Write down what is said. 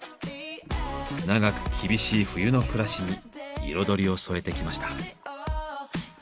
長く厳しい冬の暮らしに彩りを添えてきました。